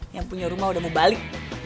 yang punya rumah udah mau balik